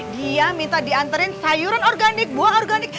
dia minta diantarin sayuran organik buah organik